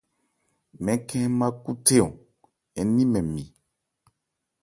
Mɛ́n khɛ́n ń ma khúthé-ɔn ń ni mɛn mi.